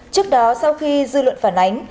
trước đó sau khi dư luận phản ánh